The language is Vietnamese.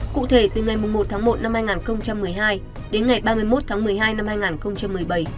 cụ thể từ ngày một một hai nghìn một mươi hai đến ngày ba mươi một một mươi hai hai nghìn một mươi bảy